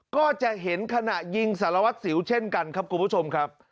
ก็จะเห็นขณะยิงสารวัตรสิวเช่นกันครับคุณผู้ชมครับ